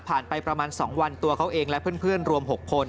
ไปประมาณ๒วันตัวเขาเองและเพื่อนรวม๖คน